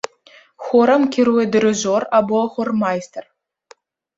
Хорам кіруе дырыжор або хормайстар.